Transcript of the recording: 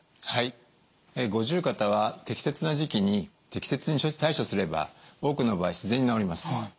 はい五十肩は適切な時期に適切に対処すれば多くの場合自然に治ります。